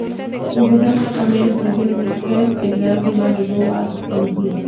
Empezaron a cambiar impresiones musicales y terminaron formando el dúo Air Supply.